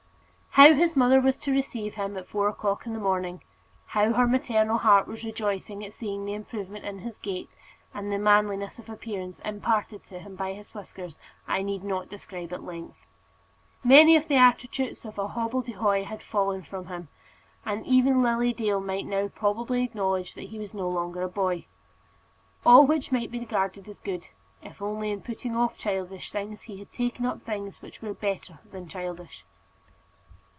How his mother was up to receive him at four o'clock in the morning, how her maternal heart was rejoicing at seeing the improvement in his gait, and the manliness of appearance imparted to him by his whiskers, I need not describe at length. Many of the attributes of a hobbledehoy had fallen from him, and even Lily Dale might now probably acknowledge that he was no longer a boy. All which might be regarded as good, if only in putting off childish things he had taken up things which were better than childish.